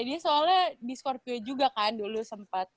dia soalnya di skorpio juga kan dulu sempat